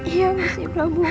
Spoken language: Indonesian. iya mesti prabu